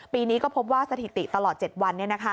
ปีนี้ก็พบว่าสถิติตลอด๗วัน